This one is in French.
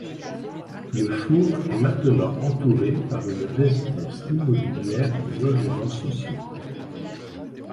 Le four est maintenant entouré par une résidence immobilière de logements sociaux.